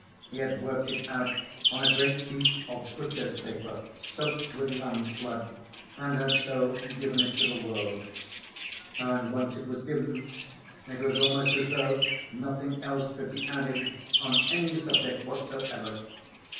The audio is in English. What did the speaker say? He had worked it out on a great piece of butchers' paper soaked with lamb's blood, and had so given it to the world. And once it was given, it was almost as though nothing else could be added on any subject whatsoever.